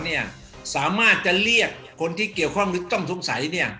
และที่ปฏิศาสตร์สามารถจะเรียกคนที่เกี่ยวข้องหรือต้องสงสัย